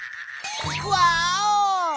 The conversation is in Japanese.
ワーオ！